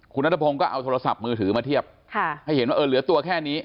คุณนัทพงศ์ก็เอาโทรศัพท์มือถือมาเทียบให้เห็นว่าเออเหลือตัวแค่นี้